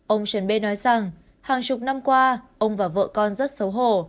ông trần bê nói rằng hàng chục năm qua ông và vợ con rất xấu hổ